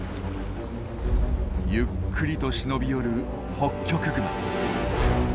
ゆっくりと忍び寄るホッキョクグマ。